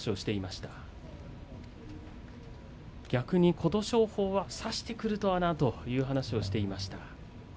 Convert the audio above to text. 琴勝峰は差してくるとはなということを話していました。